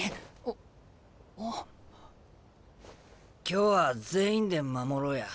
今日は全員で守ろうや。